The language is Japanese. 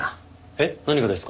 えっ？何がですか？